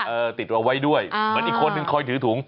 ติดเอาไว้ด้วยเหมือนอีกคนนึงคอยถือถุง